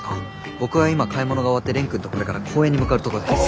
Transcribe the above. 僕は今買い物が終わって蓮くんとこれから公園に向かうところです。